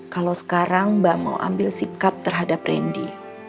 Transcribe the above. kalau sekarang mbak mau ambil sikap terhadap randy